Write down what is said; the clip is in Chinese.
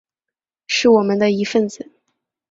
是我们的一分子